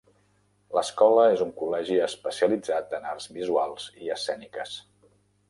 L'escola és un col·legi especialitzat en arts visuals i escèniques.